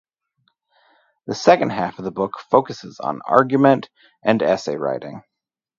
The second half of the book focuses on argument and essay writing.